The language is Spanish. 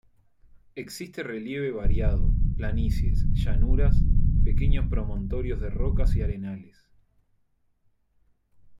Existe relieve variado, planicies, llanuras, pequeños promontorios de rocas y arenales.